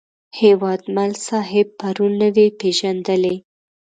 هیوادمل صاحب پرون نه وې پېژندلی.